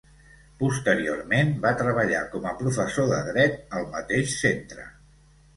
Posteriorment, va treballar com a professor de Dret al mateix centre.